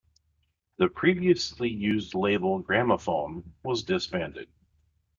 The previously used label, Grammophon, was disbanded.